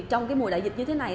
trong cái mùa đại dịch như thế này